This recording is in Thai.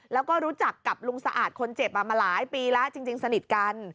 แล้วก็รู้จักกับลุงสะอาดคนเจ็บมาหลายปีแล้วจริงสนิทกัน